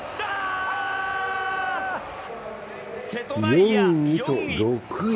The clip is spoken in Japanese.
４位と６位。